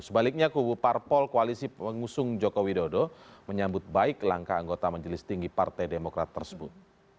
sebaliknya kubu parpol koalisi pengusung joko widodo menyambut baik langkah anggota majelis tinggi partai demokrat tersebut